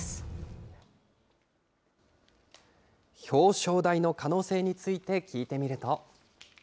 表彰台の可能性について聞いてみると。